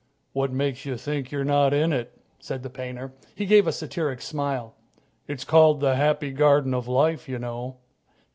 "What makes you think you're not in it?" said the painter. He gave a satiric smile. "It's called 'The Happy Garden of Life,' you know."